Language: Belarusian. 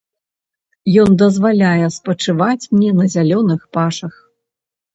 Ён дазваляе спачываць мне на зялёных пашах.